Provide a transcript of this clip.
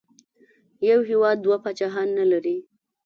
یو هېواد دوه پاچاهان نه لري.